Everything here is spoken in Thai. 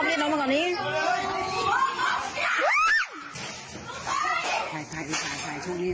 สมมติที่หลายละที